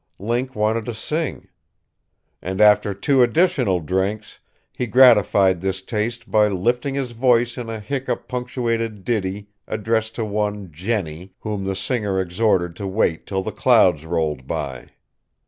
Link wanted to sing. And after two additional drinks he gratified this taste by lifting his voice in a hiccup punctuated ditty addressed to one Jenny, whom the singer exhorted to wait till the clouds rolled by.